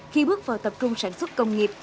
khi bước vào tập trung sản xuất công nghiệp